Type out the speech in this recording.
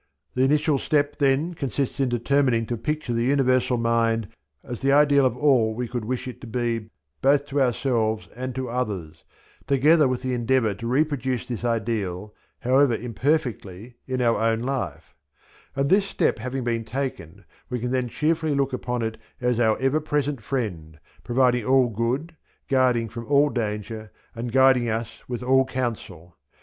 The initial step, then, consists in determining to picture the Universal Mind as the ideal of all we could wish it to be both to ourselves and to others, together with the endeavour to reproduce this ideal, however imperfectly, in our own life; and this step having been taken, we can then cheerfully look upon it as our ever present Friend, providing all good, guarding from all danger, and guiding us with all counsel.